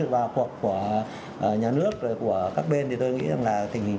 dạ vâng cảm ơn ông ạ